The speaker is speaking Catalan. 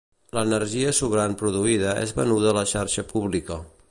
L'energia sobrant produïda és venuda a la xarxa pública.